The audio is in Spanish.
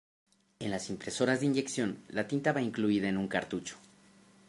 En las impresoras de inyección la tinta va incluida en un cartucho.